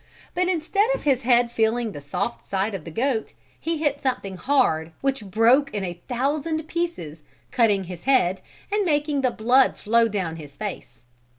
But instead of his head feeling the soft side of the goat he hit something hard which broke in a thousand pieces cutting his head and making the blood flow down his face.